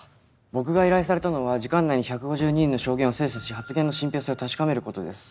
僕が依頼されたのは時間内に１５２人の証言を精査し発言の信憑性を確かめることです。